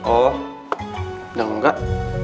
oh udah enggak